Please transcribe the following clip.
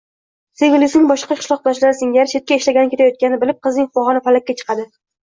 sevgilisining boshqa qishloqdoshlari singari chetga ishlagani ketayotganini bilib, qizning fig`oni falakka chiqadi